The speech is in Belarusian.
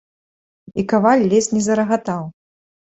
І каваль ледзь не зарагатаў.